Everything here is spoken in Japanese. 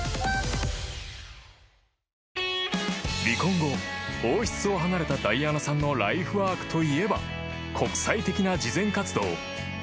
［離婚後王室を離れたダイアナさんのライフワークといえば国際的な慈善活動］